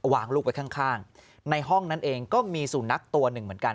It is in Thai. ลูกไว้ข้างข้างในห้องนั้นเองก็มีสุนัขตัวหนึ่งเหมือนกัน